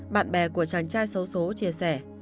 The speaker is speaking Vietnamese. bạn bè của chàng trai xấu xố chia sẻ